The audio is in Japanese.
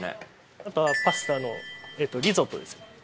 あとはパスタとリゾットですね。